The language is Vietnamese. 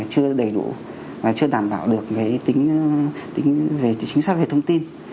chưa đầy đủ và chưa đảm bảo được tính về chính xác về thông tin